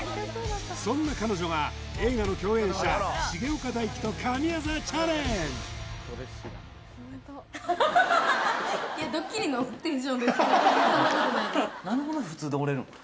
そんな彼女が映画の共演者重岡大毅と神業チャレンジそんなことないです